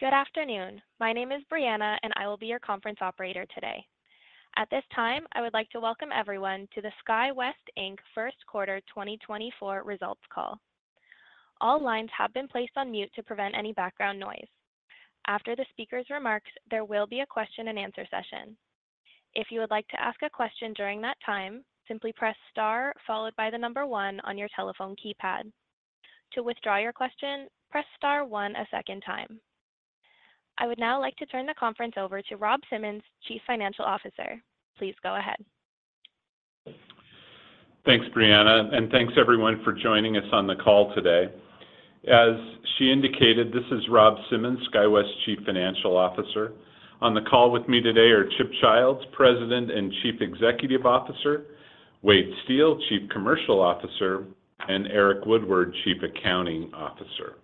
Good afternoon. My name is Brianna, and I will be your conference operator today. At this time, I would like to welcome everyone to the SkyWest Inc. First Quarter 2024 Results Call. All lines have been placed on mute to prevent any background noise. After the speaker's remarks, there will be a question-and-answer session. If you would like to ask a question during that time, simply press star followed by the number one on your telephone keypad. To withdraw your question, press star one a second time. I would now like to turn the conference over to Rob Simmons, Chief Financial Officer. Please go ahead. Thanks, Brianna, and thanks everyone for joining us on the call today. As she indicated, this is Rob Simmons, SkyWest Chief Financial Officer. On the call with me today are Chip Childs, President and Chief Executive Officer; Wade Steel, Chief Commercial Officer; and Eric Woodward, Chief Accounting Officer.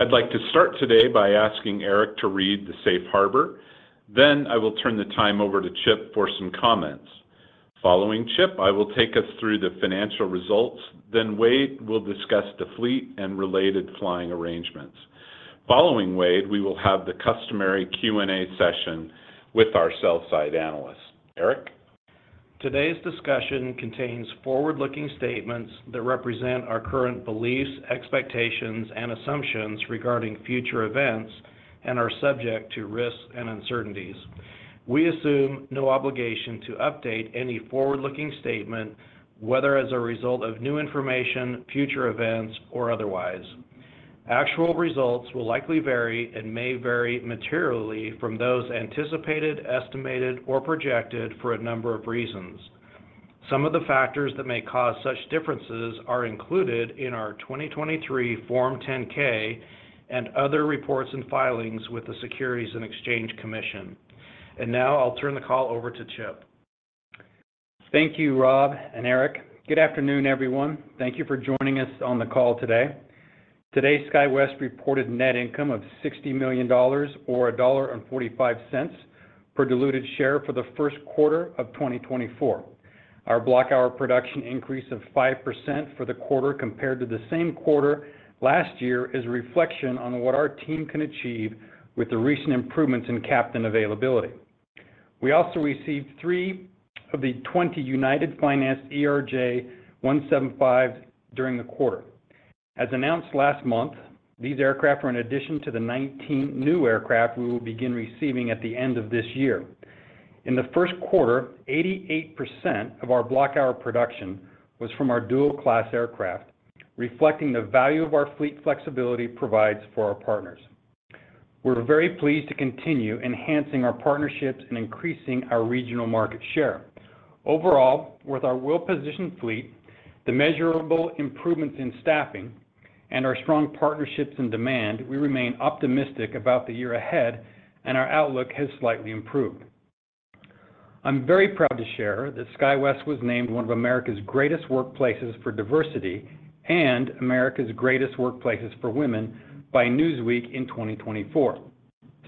I'd like to start today by asking Eric to read the Safe Harbor, then I will turn the time over to Chip for some comments. Following Chip, I will take us through the financial results, then Wade will discuss the fleet and related flying arrangements. Following Wade, we will have the customary Q&A session with our sell-side analysts. Eric? Today's discussion contains forward-looking statements that represent our current beliefs, expectations, and assumptions regarding future events and are subject to risks and uncertainties. We assume no obligation to update any forward-looking statement, whether as a result of new information, future events, or otherwise. Actual results will likely vary and may vary materially from those anticipated, estimated, or projected for a number of reasons. Some of the factors that may cause such differences are included in our 2023 Form 10-K and other reports and filings with the Securities and Exchange Commission. Now I'll turn the call over to Chip. Thank you, Rob and Eric. Good afternoon, everyone. Thank you for joining us on the call today. Today, SkyWest reported net income of $60 million or $1.45 per diluted share for the first quarter of 2024. Our block-hour production increase of 5% for the quarter compared to the same quarter last year is a reflection on what our team can achieve with the recent improvements in captain availability. We also received three of the 20 United Finance ERJ-175s during the quarter. As announced last month, these aircraft are in addition to the 19 new aircraft we will begin receiving at the end of this year. In the first quarter, 88% of our block-hour production was from our dual-class aircraft, reflecting the value our fleet flexibility provides for our partners. We're very pleased to continue enhancing our partnerships and increasing our regional market share. Overall, with our well-positioned fleet, the measurable improvements in staffing, and our strong partnerships and demand, we remain optimistic about the year ahead, and our outlook has slightly improved. I'm very proud to share that SkyWest was named one of America's Greatest Workplaces for Diversity and America's Greatest Workplaces for Women by Newsweek in 2024.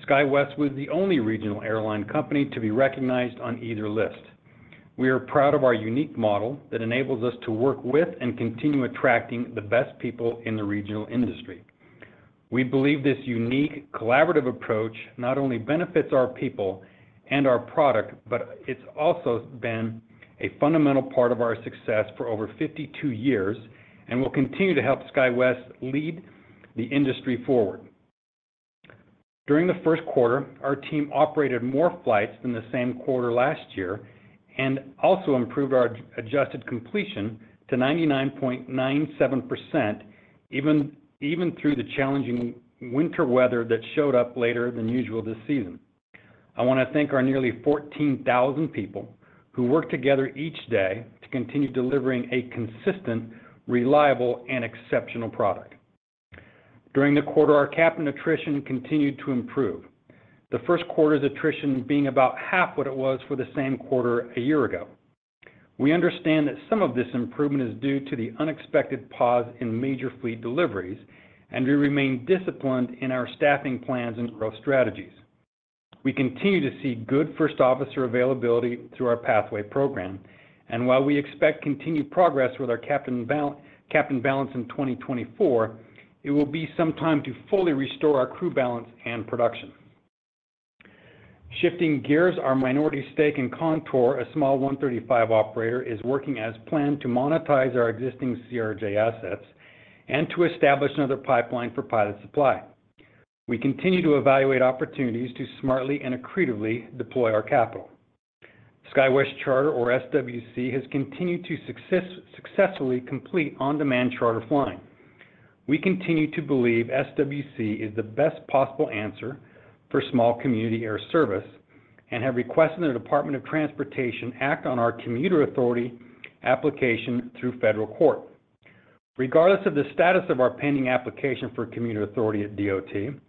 SkyWest was the only regional airline company to be recognized on either list. We are proud of our unique model that enables us to work with and continue attracting the best people in the regional industry. We believe this unique, collaborative approach not only benefits our people and our product, but it's also been a fundamental part of our success for over 52 years and will continue to help SkyWest lead the industry forward. During the first quarter, our team operated more flights than the same quarter last year and also improved our adjusted completion to 99.97% even through the challenging winter weather that showed up later than usual this season. I want to thank our nearly 14,000 people who work together each day to continue delivering a consistent, reliable, and exceptional product. During the quarter, our captain attrition continued to improve, the first quarter's attrition being about half what it was for the same quarter a year ago. We understand that some of this improvement is due to the unexpected pause in major fleet deliveries, and we remain disciplined in our staffing plans and growth strategies. We continue to see good first officer availability through our pathway program, and while we expect continued progress with our captain balance in 2024, it will be some time to fully restore our crew balance and production. Shifting gears, our minority stake in Contour, a small 135 operator, is working as planned to monetize our existing CRJ assets and to establish another pipeline for pilot supply. We continue to evaluate opportunities to smartly and accretively deploy our capital. SkyWest Charter, or SWC, has continued to successfully complete on-demand charter flying. We continue to believe SWC is the best possible answer for small community air service and have requested the Department of Transportation act on our Commuter Authority application through federal court. Regardless of the status of our pending application for Commuter Authority at DOT,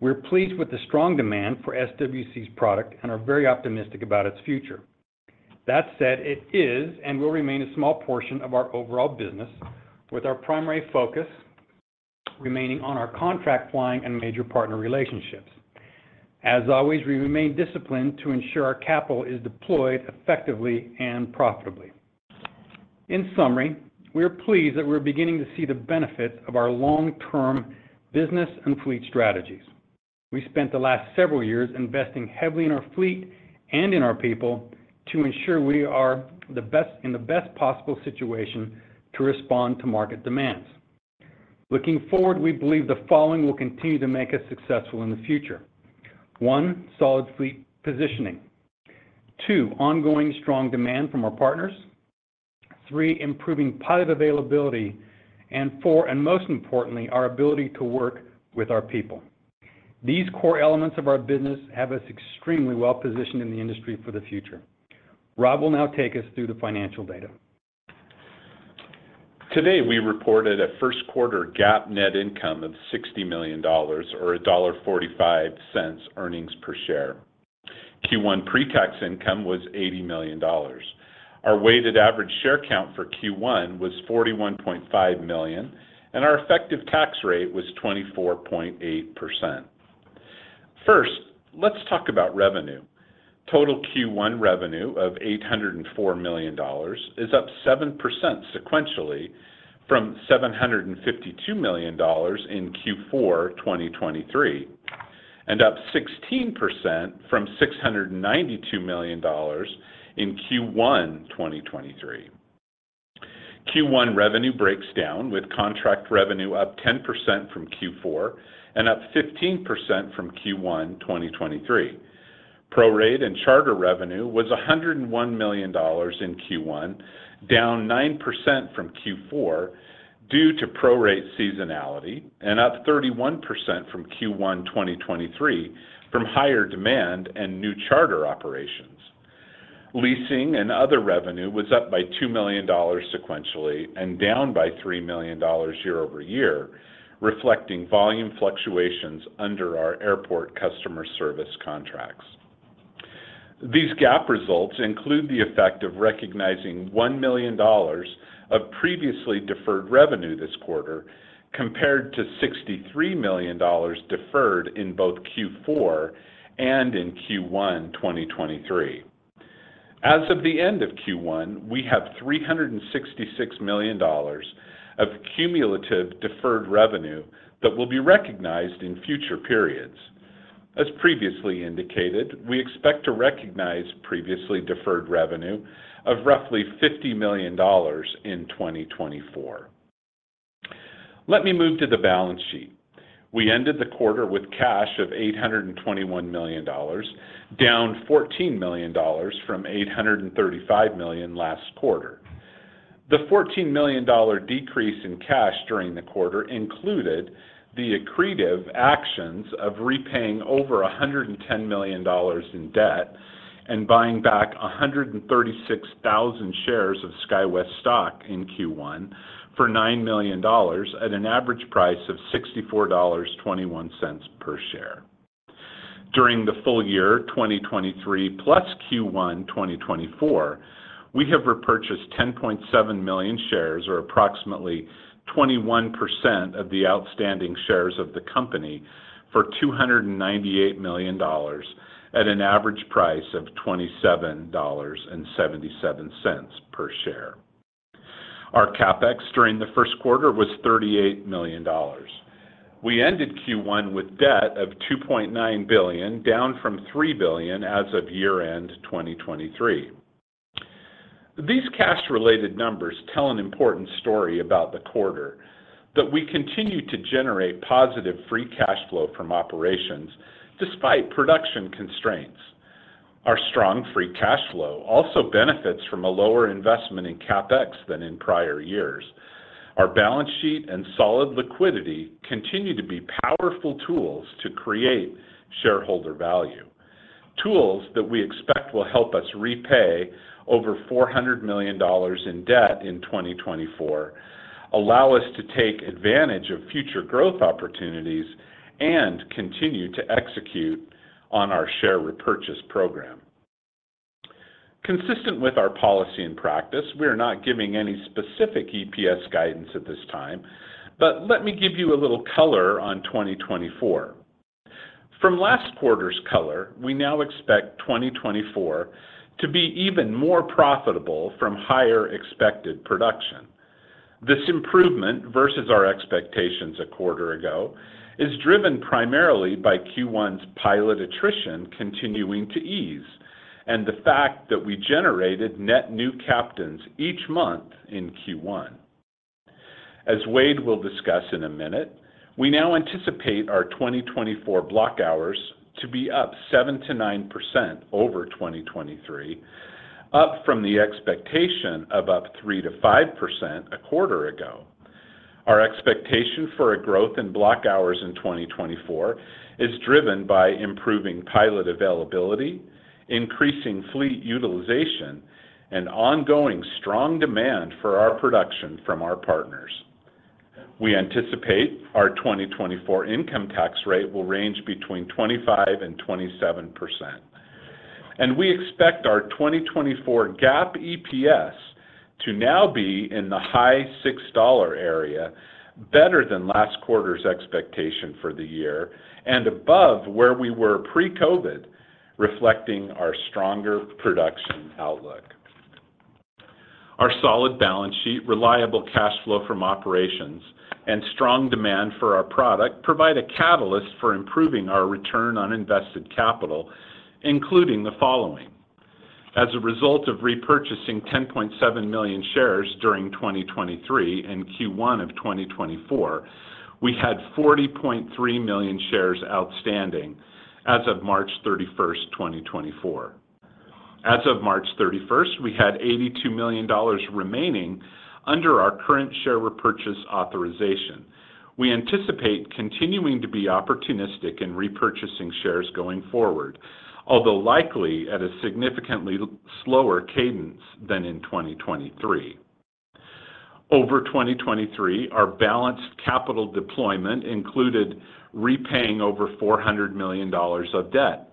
we're pleased with the strong demand for SWC's product and are very optimistic about its future. That said, it is and will remain a small portion of our overall business, with our primary focus remaining on our contract flying and major partner relationships. As always, we remain disciplined to ensure our capital is deployed effectively and profitably. In summary, we're pleased that we're beginning to see the benefits of our long-term business and fleet strategies. We spent the last several years investing heavily in our fleet and in our people to ensure we are in the best possible situation to respond to market demands. Looking forward, we believe the following will continue to make us successful in the future: 1) solid fleet positioning; 2) ongoing strong demand from our partners; 3) improving pilot availability; and 4) and most importantly, our ability to work with our people. These core elements of our business have us extremely well-positioned in the industry for the future. Rob will now take us through the financial data. Today, we reported a first quarter GAAP net income of $60 million or $1.45 earnings per share. Q1 pre-tax income was $80 million. Our weighted average share count for Q1 was 41.5 million, and our effective tax rate was 24.8%. First, let's talk about revenue. Total Q1 revenue of $804 million is up 7% sequentially from $752 million in Q4 2023 and up 16% from $692 million in Q1 2023. Q1 revenue breaks down with contract revenue up 10% from Q4 and up 15% from Q1 2023. Prorate and charter revenue was $101 million in Q1, down 9% from Q4 due to prorate seasonality, and up 31% from Q1 2023 from higher demand and new charter operations. Leasing and other revenue was up by $2 million sequentially and down by $3 million year over year, reflecting volume fluctuations under our airport customer service contracts. These GAAP results include the effect of recognizing $1 million of previously deferred revenue this quarter compared to $63 million deferred in both Q4 and in Q1 2023. As of the end of Q1, we have $366 million of cumulative deferred revenue that will be recognized in future periods. As previously indicated, we expect to recognize previously deferred revenue of roughly $50 million in 2024. Let me move to the balance sheet. We ended the quarter with cash of $821 million, down $14 million from $835 million last quarter. The $14 million decrease in cash during the quarter included the accretive actions of repaying over $110 million in debt and buying back 136,000 shares of SkyWest stock in Q1 for $9 million at an average price of $64.21 per share. During the full year 2023 plus Q1 2024, we have repurchased 10.7 million shares, or approximately 21% of the outstanding shares of the company, for $298 million at an average price of $27.77 per share. Our CapEx during the first quarter was $38 million. We ended Q1 with debt of $2.9 billion, down from $3 billion as of year-end 2023. These cash-related numbers tell an important story about the quarter: that we continue to generate positive free cash flow from operations despite production constraints. Our strong free cash flow also benefits from a lower investment in CapEx than in prior years. Our balance sheet and solid liquidity continue to be powerful tools to create shareholder value, tools that we expect will help us repay over $400 million in debt in 2024, allow us to take advantage of future growth opportunities, and continue to execute on our share repurchase program. Consistent with our policy and practice, we are not giving any specific EPS guidance at this time, but let me give you a little color on 2024. From last quarter's color, we now expect 2024 to be even more profitable from higher expected production. This improvement versus our expectations a quarter ago is driven primarily by Q1's pilot attrition continuing to ease and the fact that we generated net new captains each month in Q1. As Wade will discuss in a minute, we now anticipate our 2024 block hours to be up 7%-9% over 2023, up from the expectation of up 3%-5% a quarter ago. Our expectation for a growth in block hours in 2024 is driven by improving pilot availability, increasing fleet utilization, and ongoing strong demand for our production from our partners. We anticipate our 2024 income tax rate will range between 25% and 27%, and we expect our 2024 GAAP EPS to now be in the high $6 area, better than last quarter's expectation for the year, and above where we were pre-COVID, reflecting our stronger production outlook. Our solid balance sheet, reliable cash flow from operations, and strong demand for our product provide a catalyst for improving our return on invested capital, including the following: as a result of repurchasing 10.7 million shares during 2023 and Q1 of 2024, we had 40.3 million shares outstanding as of March 31st, 2024. As of March 31st, we had $82 million remaining under our current share repurchase authorization. We anticipate continuing to be opportunistic in repurchasing shares going forward, although likely at a significantly slower cadence than in 2023. Over 2023, our balanced capital deployment included repaying over $400 million of debt.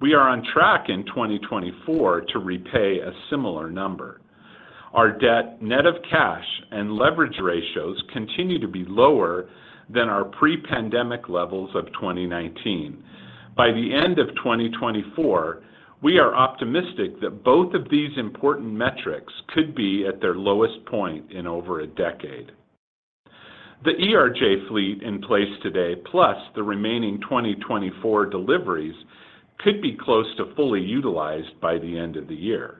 We are on track in 2024 to repay a similar number. Our debt net of cash and leverage ratios continue to be lower than our pre-pandemic levels of 2019. By the end of 2024, we are optimistic that both of these important metrics could be at their lowest point in over a decade. The ERJ fleet in place today, plus the remaining 2024 deliveries, could be close to fully utilized by the end of the year.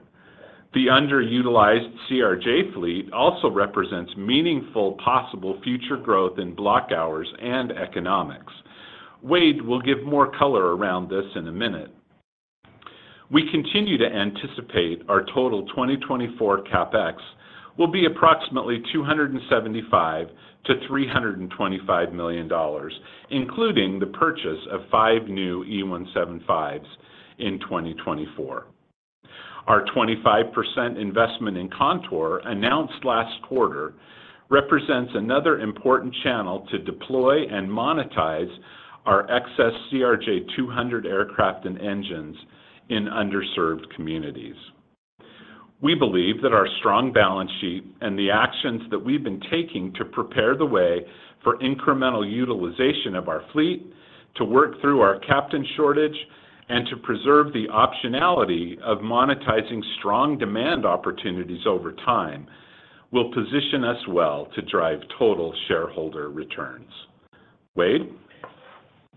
The underutilized CRJ fleet also represents meaningful possible future growth in block hours and economics. Wade will give more color around this in a minute. We continue to anticipate our total 2024 Capex will be approximately $275 million-$325 million, including the purchase of five new E-175s in 2024. Our 25% investment in Contour announced last quarter represents another important channel to deploy and monetize our excess CRJ200 aircraft and engines in underserved communities. We believe that our strong balance sheet and the actions that we've been taking to prepare the way for incremental utilization of our fleet, to work through our captain shortage, and to preserve the optionality of monetizing strong demand opportunities over time will position us well to drive total shareholder returns. Wade?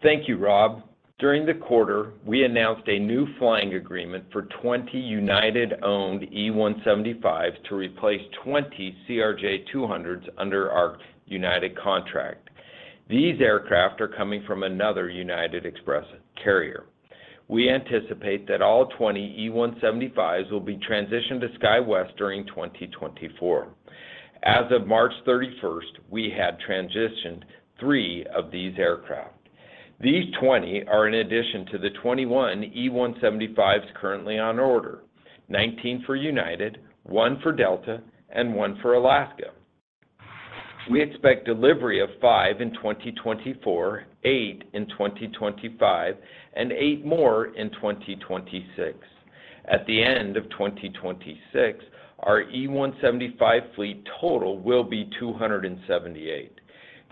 Thank you, Rob. During the quarter, we announced a new flying agreement for 20 United-owned E-175s to replace 20 CRJ200s under our United contract. These aircraft are coming from another United Express carrier. We anticipate that all 20 E-175s will be transitioned to SkyWest during 2024. As of March 31st, we had transitioned three of these aircraft. These 20 are in addition to the 21 E-175s currently on order: 19 for United, 1 for Delta, and 1 for Alaska. We expect delivery of 5 in 2024, 8 in 2025, and 8 more in 2026. At the end of 2026, our E-175 fleet total will be 278,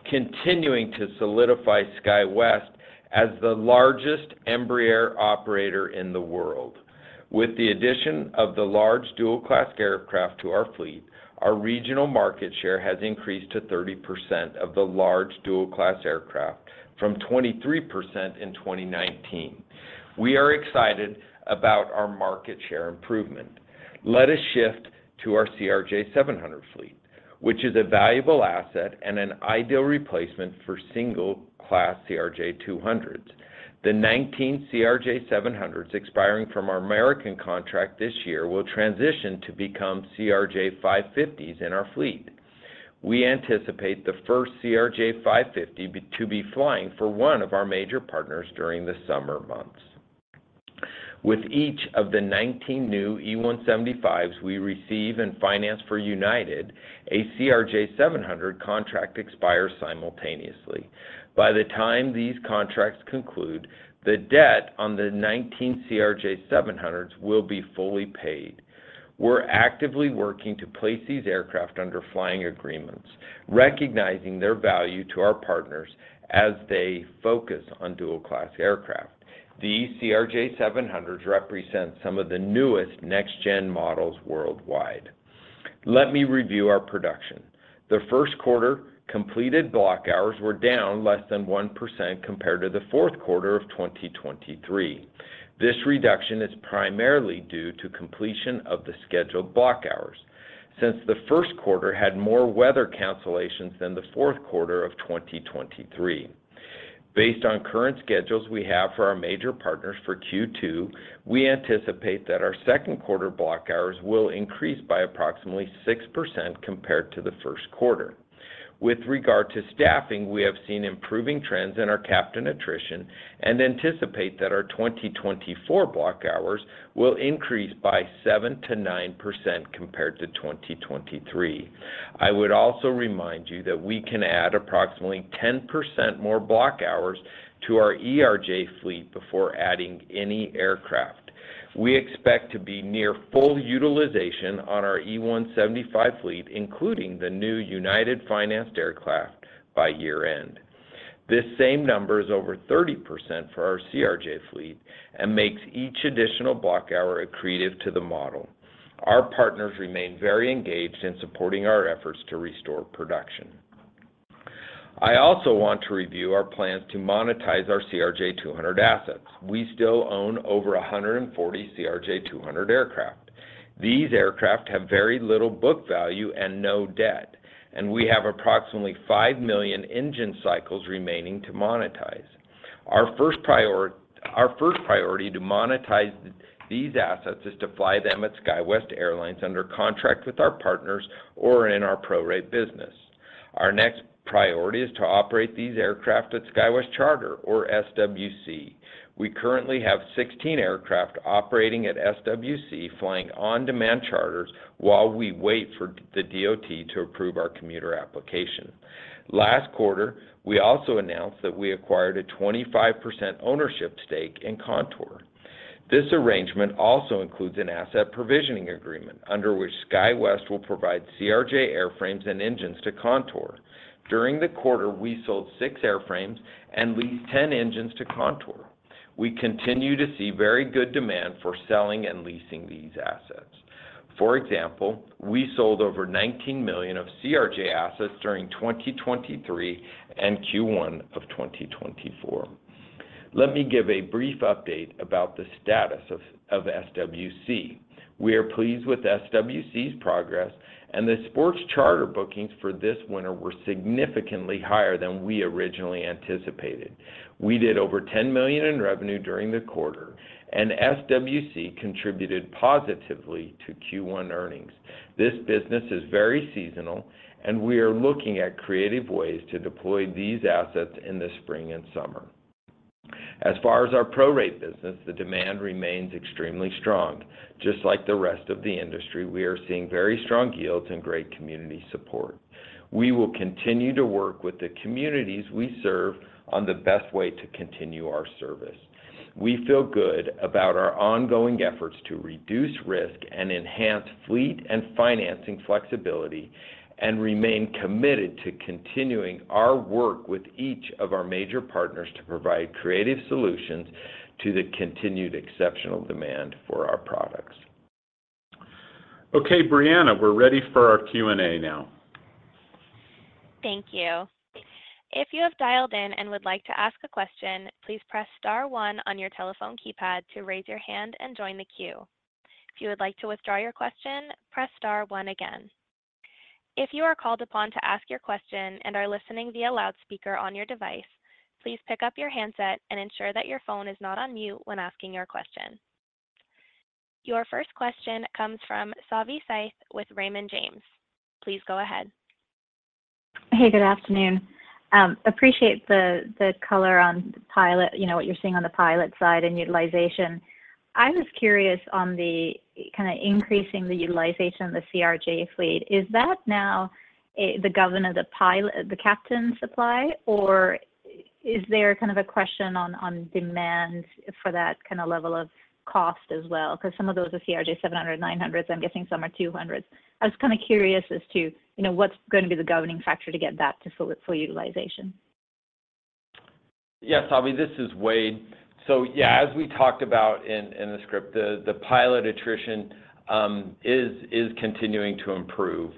continuing to solidify SkyWest as the largest Embraer air operator in the world. With the addition of the large dual-class aircraft to our fleet, our regional market share has increased to 30% of the large dual-class aircraft from 23% in 2019. We are excited about our market share improvement. Let us shift to our CRJ700 fleet, which is a valuable asset and an ideal replacement for single-class CRJ200s. The 19 CRJ700s expiring from our American contract this year will transition to become CRJ550s in our fleet. We anticipate the first CRJ550 to be flying for one of our major partners during the summer months. With each of the 19 new E175s we receive and finance for United, a CRJ700 contract expires simultaneously. By the time these contracts conclude, the debt on the 19 CRJ700s will be fully paid. We're actively working to place these aircraft under flying agreements, recognizing their value to our partners as they focus on dual-class aircraft. These CRJ700s represent some of the newest next-gen models worldwide. Let me review our production. The first quarter completed block hours were down less than 1% compared to the fourth quarter of 2023. This reduction is primarily due to completion of the scheduled block hours, since the first quarter had more weather cancellations than the fourth quarter of 2023. Based on current schedules we have for our major partners for Q2, we anticipate that our second quarter block hours will increase by approximately 6% compared to the first quarter. With regard to staffing, we have seen improving trends in our captain attrition and anticipate that our 2024 block hours will increase by 7%-9% compared to 2023. I would also remind you that we can add approximately 10% more block hours to our ERJ fleet before adding any aircraft. We expect to be near full utilization on our E-175 fleet, including the new United-financed aircraft, by year-end. This same number is over 30% for our CRJ fleet and makes each additional block hour accretive to the model. Our partners remain very engaged in supporting our efforts to restore production. I also want to review our plans to monetize our CRJ200 assets. We still own over 140 CRJ200 aircraft. These aircraft have very little book value and no debt, and we have approximately 5 million engine cycles remaining to monetize. Our first priority to monetize these assets is to fly them at SkyWest Airlines under contract with our partners or in our prorate business. Our next priority is to operate these aircraft at SkyWest Charter, or SWC. We currently have 16 aircraft operating at SWC flying on-demand charters while we wait for the DOT to approve our commuter application. Last quarter, we also announced that we acquired a 25% ownership stake in Contour. This arrangement also includes an asset provisioning agreement under which SkyWest will provide CRJ airframes and engines to Contour. During the quarter, we sold 6 airframes and leased 10 engines to Contour. We continue to see very good demand for selling and leasing these assets. For example, we sold over $19 million of CRJ assets during 2023 and Q1 of 2024. Let me give a brief update about the status of SWC. We are pleased with SWC's progress, and the sports charter bookings for this winter were significantly higher than we originally anticipated. We did over $10 million in revenue during the quarter, and SWC contributed positively to Q1 earnings. This business is very seasonal, and we are looking at creative ways to deploy these assets in the spring and summer. As far as our prorate business, the demand remains extremely strong. Just like the rest of the industry, we are seeing very strong yields and great community support. We will continue to work with the communities we serve on the best way to continue our service. We feel good about our ongoing efforts to reduce risk and enhance fleet and financing flexibility and remain committed to continuing our work with each of our major partners to provide creative solutions to the continued exceptional demand for our products. Okay, Brianna, we're ready for our Q&A now. Thank you. If you have dialed in and would like to ask a question, please press star 1 on your telephone keypad to raise your hand and join the queue. If you would like to withdraw your question, press star 1 again. If you are called upon to ask your question and are listening via loudspeaker on your device, please pick up your handset and ensure that your phone is not on mute when asking your question. Your first question comes from Savanthi Syth with Raymond James. Please go ahead. Hey, good afternoon. Appreciate the color on what you're seeing on the pilot side and utilization. I was curious on kind of increasing the utilization of the CRJ fleet. Is that now the governor of the captain supply, or is there kind of a question on demand for that kind of level of cost as well? Because some of those are CRJ700s, CRJ900s, I'm guessing some are CRJ200s. I was kind of curious as to what's going to be the governing factor to get that to full utilization. Yes, Savi, this is Wade. So yeah, as we talked about in the script, the pilot attrition is continuing to improve.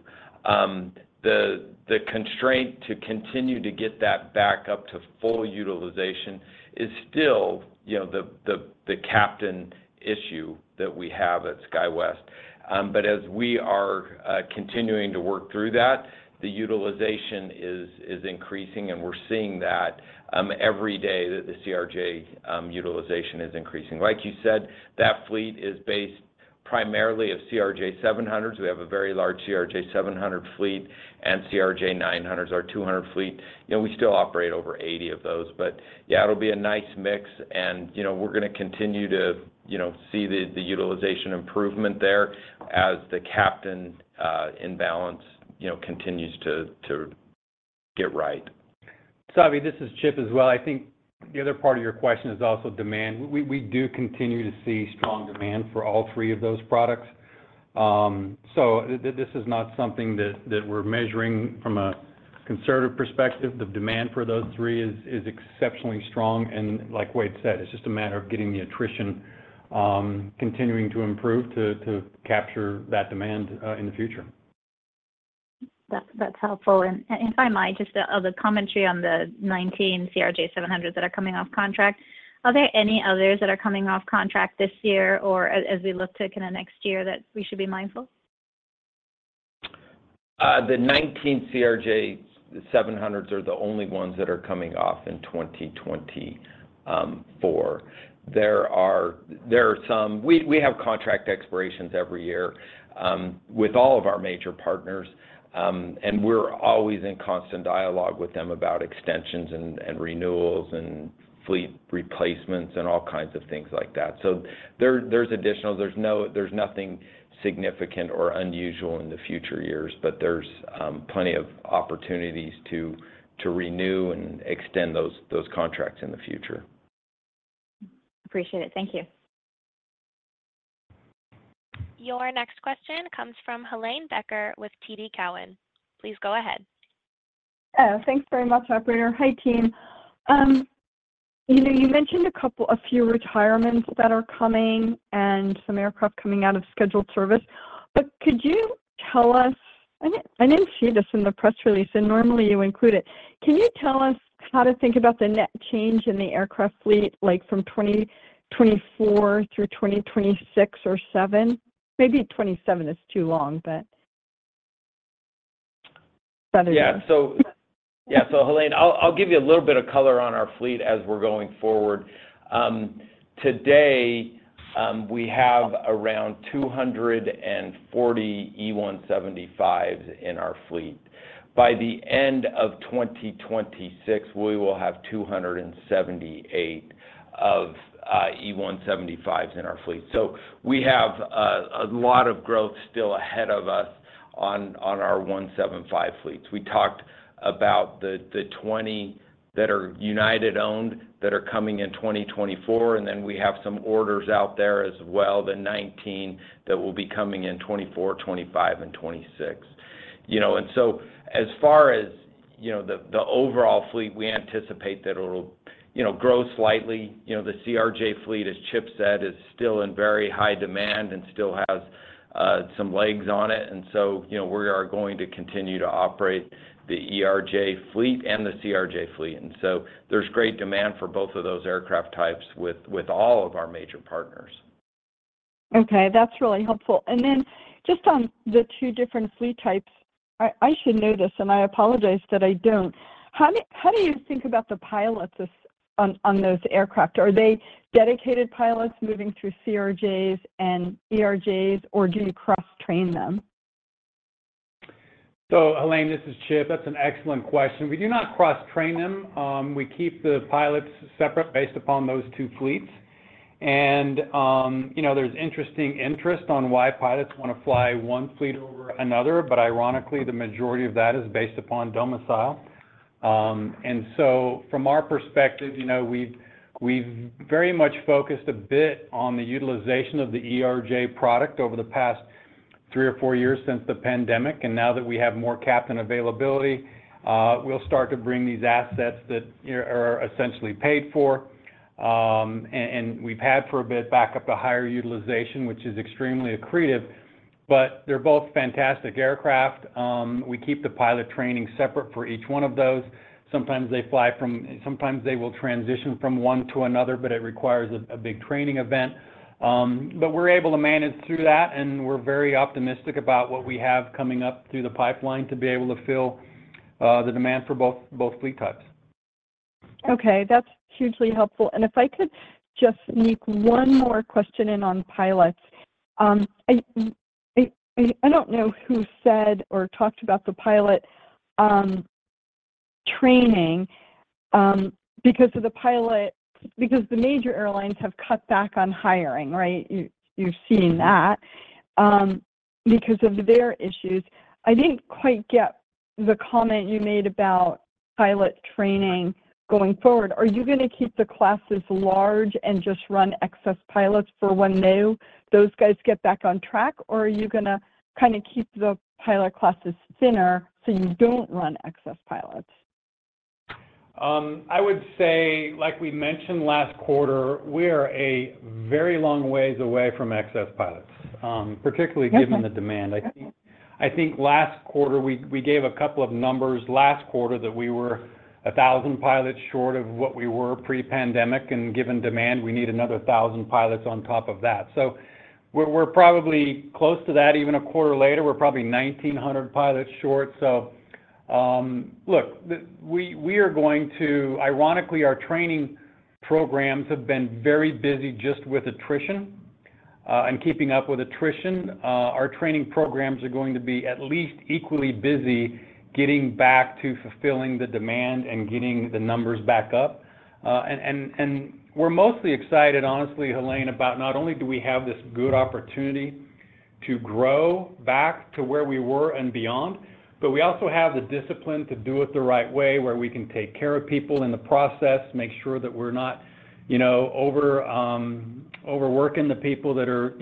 The constraint to continue to get that back up to full utilization is still the captain issue that we have at SkyWest. But as we are continuing to work through that, the utilization is increasing, and we're seeing that every day that the CRJ utilization is increasing. Like you said, that fleet is based primarily of CRJ 700s. We have a very large CRJ 700 fleet and CRJ 900s, our 200 fleet. We still operate over 80 of those. But yeah, it'll be a nice mix, and we're going to continue to see the utilization improvement there as the captain imbalance continues to get right. Savi, this is Chip as well. I think the other part of your question is also demand. We do continue to see strong demand for all three of those products. So this is not something that we're measuring from a conservative perspective. The demand for those three is exceptionally strong. And like Wade said, it's just a matter of getting the attrition continuing to improve to capture that demand in the future. That's helpful. If I might, just the commentary on the 19 CRJ700s that are coming off contract. Are there any others that are coming off contract this year or as we look to kind of next year that we should be mindful? The 19 CRJ 700s are the only ones that are coming off in 2024. There are some we have contract expirations every year with all of our major partners, and we're always in constant dialogue with them about extensions and renewals and fleet replacements and all kinds of things like that. So there's nothing significant or unusual in the future years, but there's plenty of opportunities to renew and extend those contracts in the future. Appreciate it. Thank you. Your next question comes from Helane Becker with TD Cowen. Please go ahead. Thanks very much, operator. Hi, team. You mentioned a few retirements that are coming and some aircraft coming out of scheduled service. But could you tell us? I didn't see this in the press release, and normally you include it. Can you tell us how to think about the net change in the aircraft fleet from 2024 through 2026 or 2027? Maybe 2027 is too long, but better than that. Yeah. So yeah, so Helane, I'll give you a little bit of color on our fleet as we're going forward. Today, we have around 240 E175s in our fleet. By the end of 2026, we will have 278 of E175s in our fleet. So we have a lot of growth still ahead of us on our 175 fleets. We talked about the 20 that are United-owned that are coming in 2024, and then we have some orders out there as well, the 19 that will be coming in 2024, 2025, and 2026. And so as far as the overall fleet, we anticipate that it'll grow slightly. The CRJ fleet, as Chip said, is still in very high demand and still has some legs on it. And so we are going to continue to operate the ERJ fleet and the CRJ fleet. There's great demand for both of those aircraft types with all of our major partners. Okay. That's really helpful. And then just on the two different fleet types, I should know this, and I apologize that I don't. How do you think about the pilots on those aircraft? Are they dedicated pilots moving through CRJs and ERJs, or do you cross-train them? So Helane, this is Chip. That's an excellent question. We do not cross-train them. We keep the pilots separate based upon those two fleets. And there's interesting interest on why pilots want to fly one fleet over another, but ironically, the majority of that is based upon domicile. And so from our perspective, we've very much focused a bit on the utilization of the ERJ product over the past three or four years since the pandemic. And now that we have more captain availability, we'll start to bring these assets that are essentially paid for. And we've had for a bit backup to higher utilization, which is extremely accretive. But they're both fantastic aircraft. We keep the pilot training separate for each one of those. Sometimes they fly from sometimes they will transition from one to another, but it requires a big training event. But we're able to manage through that, and we're very optimistic about what we have coming up through the pipeline to be able to fill the demand for both fleet types. Okay. That's hugely helpful. And if I could just sneak one more question in on pilots. I don't know who said or talked about the pilot training because of the pilot because the major airlines have cut back on hiring, right? You've seen that because of their issues. I didn't quite get the comment you made about pilot training going forward. Are you going to keep the classes large and just run excess pilots for when those guys get back on track, or are you going to kind of keep the pilot classes thinner so you don't run excess pilots? I would say, like we mentioned last quarter, we're a very long ways away from excess pilots, particularly given the demand. I think last quarter, we gave a couple of numbers. Last quarter, that we were 1,000 pilots short of what we were pre-pandemic. Given demand, we need another 1,000 pilots on top of that. We're probably close to that. Even a quarter later, we're probably 1,900 pilots short. Look, we are going to ironically, our training programs have been very busy just with attrition and keeping up with attrition. Our training programs are going to be at least equally busy getting back to fulfilling the demand and getting the numbers back up. We're mostly excited, honestly, Helane, about not only do we have this good opportunity to grow back to where we were and beyond, but we also have the discipline to do it the right way where we can take care of people in the process, make sure that we're not overworking the people that are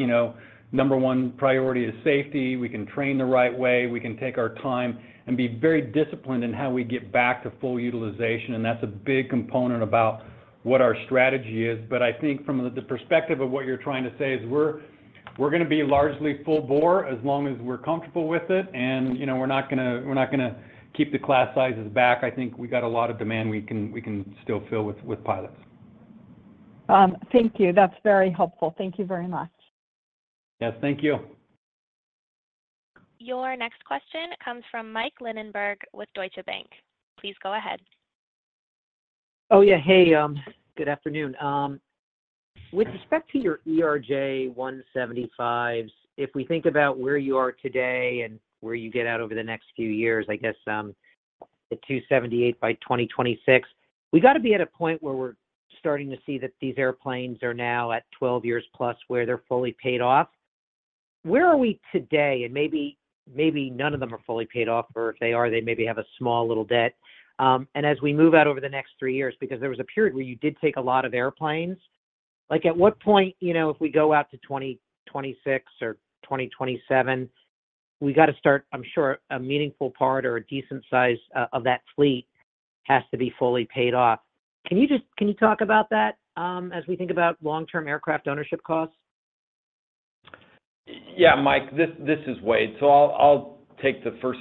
number one priority is safety. We can train the right way. We can take our time and be very disciplined in how we get back to full utilization. And that's a big component about what our strategy is. But I think from the perspective of what you're trying to say is we're going to be largely full bore as long as we're comfortable with it, and we're not going to keep the class sizes back. I think we got a lot of demand we can still fill with pilots. Thank you. That's very helpful. Thank you very much. Yes, thank you. Your next question comes from Mike Linenberg with Deutsche Bank. Please go ahead. Oh, yeah. Hey. Good afternoon. With respect to your E175s, if we think about where you are today and where you get out over the next few years, I guess at 278 by 2026, we got to be at a point where we're starting to see that these airplanes are now at 12 years plus where they're fully paid off. Where are we today? And maybe none of them are fully paid off, or if they are, they maybe have a small little debt. And as we move out over the next 3 years because there was a period where you did take a lot of airplanes, at what point, if we go out to 2026 or 2027, we got to start, I'm sure, a meaningful part or a decent size of that fleet has to be fully paid off. Can you talk about that as we think about long-term aircraft ownership costs? Yeah, Mike. This is Wade. So I'll take the first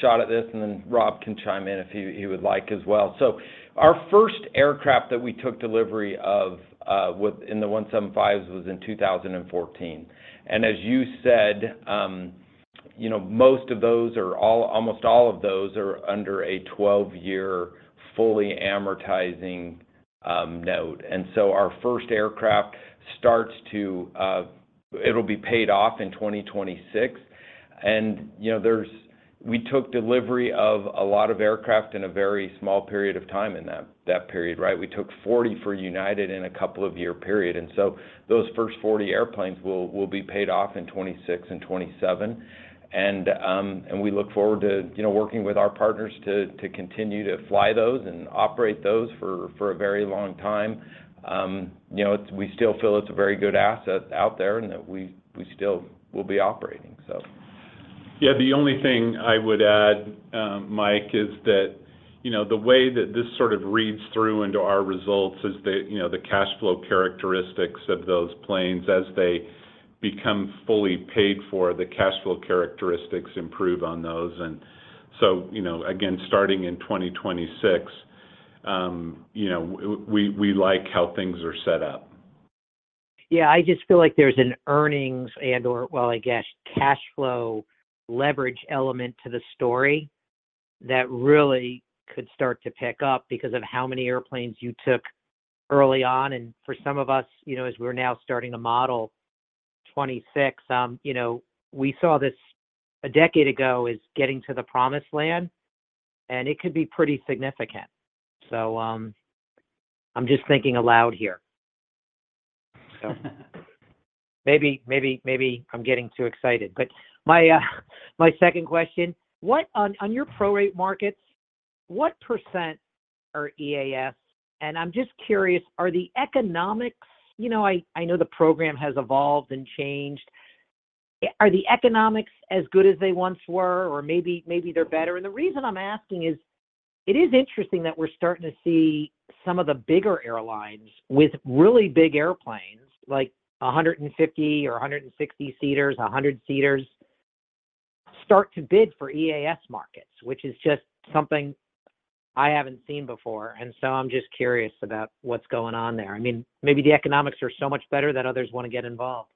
shot at this, and then Rob can chime in if he would like as well. So our first aircraft that we took delivery of in the 175s was in 2014. And as you said, most of those are almost all of those are under a 12-year fully amortizing note. And so our first aircraft it'll be paid off in 2026. And we took delivery of a lot of aircraft in a very small period of time in that period, right? We took 40 for United in a couple-year period. And so those first 40 airplanes will be paid off in 2026 and 2027. And we look forward to working with our partners to continue to fly those and operate those for a very long time. We still feel it's a very good asset out there and that we still will be operating, so. Yeah. The only thing I would add, Mike, is that the way that this sort of reads through into our results is the cash flow characteristics of those planes. As they become fully paid for, the cash flow characteristics improve on those. And so again, starting in 2026, we like how things are set up. Yeah. I just feel like there's an earnings and/or, well, I guess, cash flow leverage element to the story that really could start to pick up because of how many airplanes you took early on. And for some of us, as we're now starting to model 2026, we saw this a decade ago as getting to the promised land, and it could be pretty significant. So I'm just thinking aloud here. So maybe I'm getting too excited. But my second question, on your prorate markets, what percent are EAS? And I'm just curious, are the economics? I know the program has evolved and changed. Are the economics as good as they once were, or maybe they're better? The reason I'm asking is it is interesting that we're starting to see some of the bigger airlines with really big airplanes like 150 or 160 seaters, 100 seaters, start to bid for EAS markets, which is just something I haven't seen before. So I'm just curious about what's going on there. I mean, maybe the economics are so much better that others want to get involved.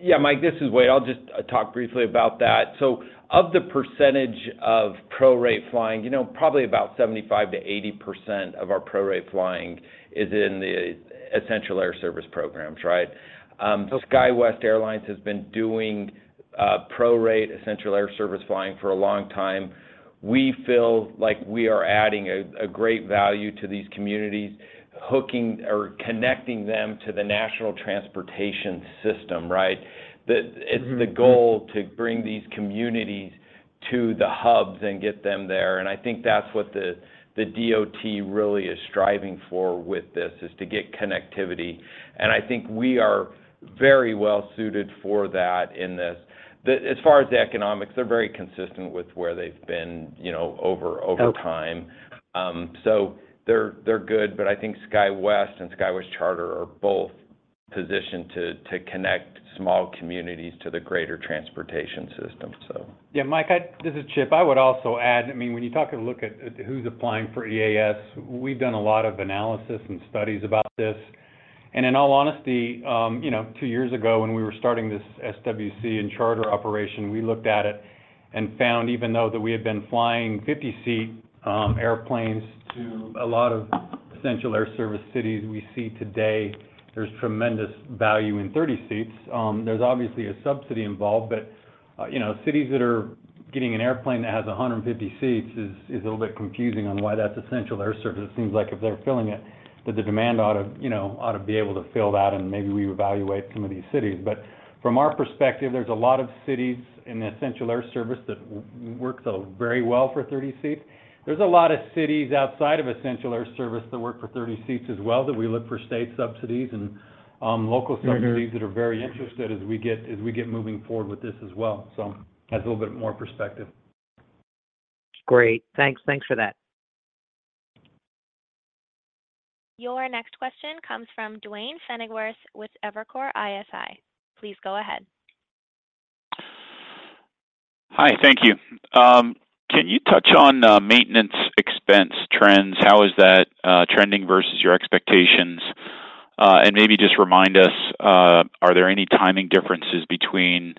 Yeah, Mike. This is Wade. I'll just talk briefly about that. So of the percentage of prorate flying, probably about 75%-80% of our prorate flying is in the Essential Air Service programs, right? SkyWest Airlines has been doing prorate Essential Air Service flying for a long time. We feel like we are adding a great value to these communities, hooking or connecting them to the national transportation system, right? It's the goal to bring these communities to the hubs and get them there. And I think that's what the DOT really is striving for with this, is to get connectivity. And I think we are very well-suited for that in this. As far as the economics, they're very consistent with where they've been over time. So they're good. But I think SkyWest and SkyWest Charter are both positioned to connect small communities to the greater transportation system, so. Yeah. Mike, this is Chip. I would also add, I mean, when you talk and look at who's applying for EAS, we've done a lot of analysis and studies about this. And in all honesty, 2 years ago, when we were starting this SWC and charter operation, we looked at it and found, even though that we had been flying 50-seat airplanes to a lot of essential air service cities we see today, there's tremendous value in 30 seats. There's obviously a subsidy involved, but cities that are getting an airplane that has 150 seats is a little bit confusing on why that's essential air service. It seems like if they're filling it, that the demand ought to be able to fill that, and maybe we evaluate some of these cities. But from our perspective, there's a lot of cities in the Essential Air Service that work very well for 30 seats. There's a lot of cities outside of Essential Air Service that work for 30 seats as well that we look for state subsidies and local subsidies that are very interested as we get moving forward with this as well. So that's a little bit more perspective. Great. Thanks. Thanks for that. Your next question comes from Duane Pfennigwerth with Evercore ISI. Please go ahead. Hi. Thank you. Can you touch on maintenance expense trends? How is that trending versus your expectations? And maybe just remind us, are there any timing differences between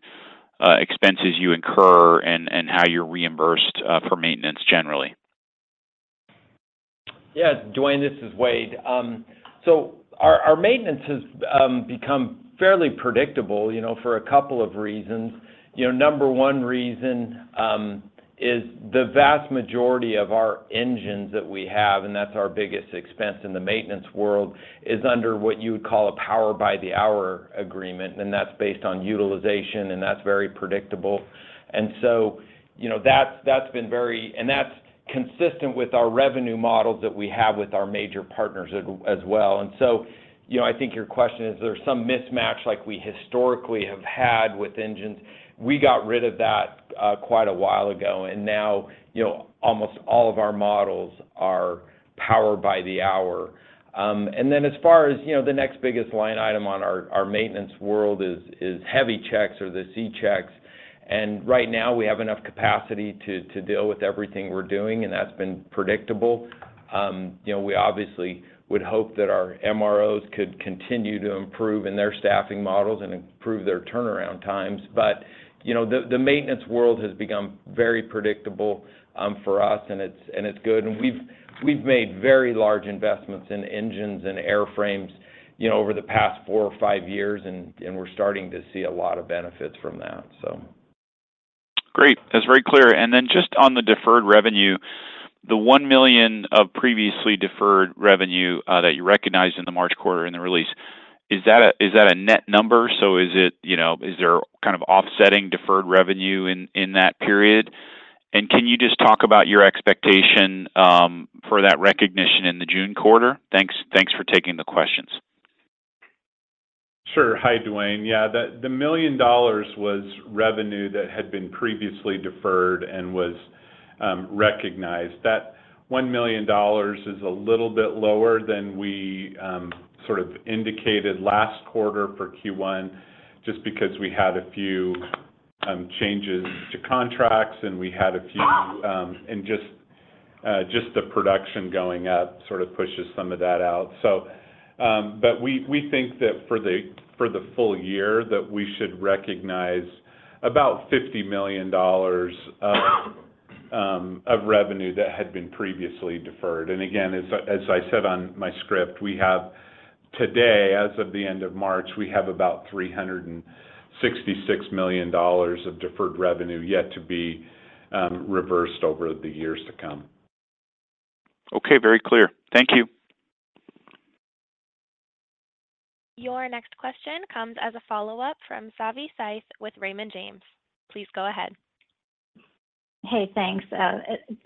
expenses you incur and how you're reimbursed for maintenance generally? Yeah. Duane, this is Wade. So our maintenance has become fairly predictable for a couple of reasons. Number one reason is the vast majority of our engines that we have, and that's our biggest expense in the maintenance world, is under what you would call a power-by-the-hour agreement. And that's based on utilization, and that's very predictable. And so that's been very and that's consistent with our revenue models that we have with our major partners as well. And so I think your question is, is there some mismatch like we historically have had with engines? We got rid of that quite a while ago, and now almost all of our models are power-by-the-hour. And then as far as the next biggest line item on our maintenance world is heavy checks or the C-checks. Right now, we have enough capacity to deal with everything we're doing, and that's been predictable. We obviously would hope that our MROs could continue to improve in their staffing models and improve their turnaround times. But the maintenance world has become very predictable for us, and it's good. We've made very large investments in engines and airframes over the past 4 or 5 years, and we're starting to see a lot of benefits from that, so. Great. That's very clear. And then just on the deferred revenue, the $1 million of previously deferred revenue that you recognized in the March quarter in the release, is that a net number? So is there kind of offsetting deferred revenue in that period? And can you just talk about your expectation for that recognition in the June quarter? Thanks for taking the questions. Sure. Hi, Duane. Yeah. The $1 million was revenue that had been previously deferred and was recognized. That $1 million is a little bit lower than we sort of indicated last quarter for Q1 just because we had a few changes to contracts, and we had a few and just the production going up sort of pushes some of that out. But we think that for the full year, that we should recognize about $50 million of revenue that had been previously deferred. And again, as I said on my script, today, as of the end of March, we have about $366 million of deferred revenue yet to be reversed over the years to come. Okay. Very clear. Thank you. Your next question comes as a follow-up from Savanthi Syth with Raymond James. Please go ahead. Hey. Thanks.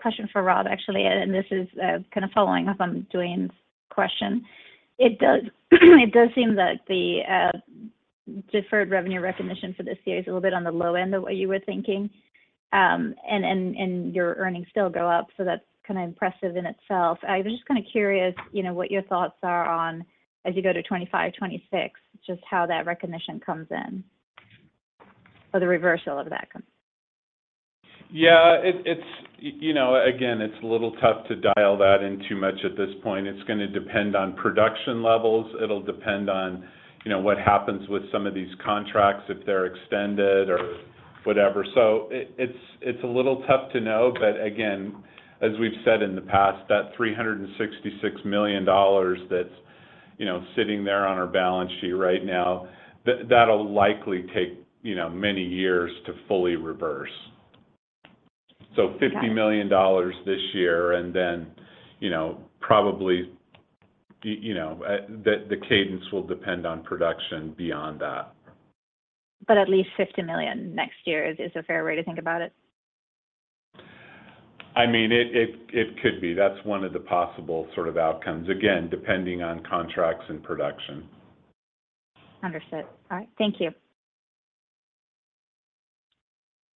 Question for Rob, actually, and this is kind of following up on Duane's question. It does seem that the deferred revenue recognition for this year is a little bit on the low end of what you were thinking, and your earnings still go up. So that's kind of impressive in itself. I was just kind of curious what your thoughts are on, as you go to 2025, 2026, just how that recognition comes in or the reversal of that. Yeah. Again, it's a little tough to dial that in too much at this point. It's going to depend on production levels. It'll depend on what happens with some of these contracts, if they're extended or whatever. So it's a little tough to know. But again, as we've said in the past, that $366 million that's sitting there on our balance sheet right now, that'll likely take many years to fully reverse. So $50 million this year, and then probably the cadence will depend on production beyond that. At least $50 million next year is a fair way to think about it? I mean, it could be. That's one of the possible sort of outcomes, again, depending on contracts and production. Understood. All right. Thank you.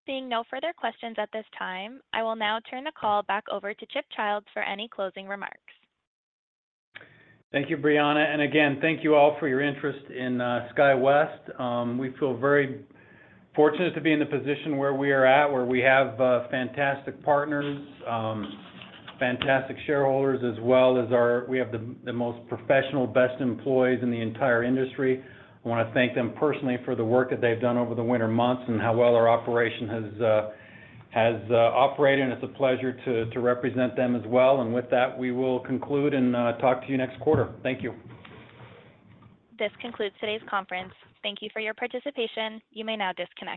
Seeing no further questions at this time, I will now turn the call back over to Chip Childs for any closing remarks. Thank you, Brianna. And again, thank you all for your interest in SkyWest. We feel very fortunate to be in the position where we are at, where we have fantastic partners, fantastic shareholders, as well as we have the most professional, best employees in the entire industry. I want to thank them personally for the work that they've done over the winter months and how well our operation has operated. And it's a pleasure to represent them as well. And with that, we will conclude and talk to you next quarter. Thank you. This concludes today's conference. Thank you for your participation. You may now disconnect.